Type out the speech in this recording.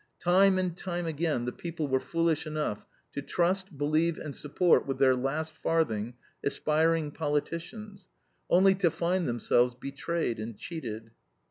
Time and time again the people were foolish enough to trust, believe, and support with their last farthing aspiring politicians, only to find themselves betrayed and cheated.